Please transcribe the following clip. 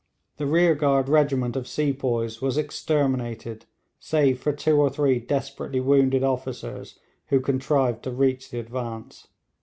The rear guard regiment of sepoys was exterminated, save for two or three desperately wounded officers who contrived to reach the advance.